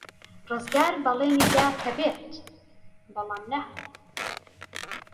ڕزگار بەڵێنی دا کە بێت، بەڵام نەهات.